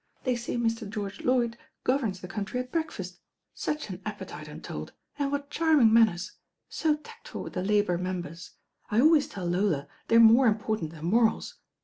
They say Mr. George Lloyd governs the country at breakfast. Such an appetite I'm told — and what charming manners. So tact ful with the Labour Members. I always tell Lola they're more important than morals.